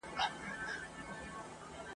په بشپړه بې تفاوتي !.